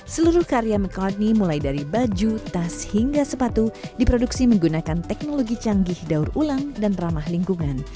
seluruh karya mccartney mulai dari baju tas hingga sepatu diproduksi menggunakan teknologi canggih daur ulang dan ramah lingkungan